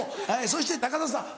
そして田さん